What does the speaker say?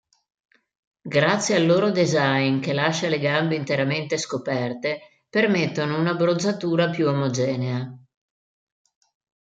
Grazie al loro design, che lascia le gambe interamente scoperte, permettono un'abbronzatura più omogenea.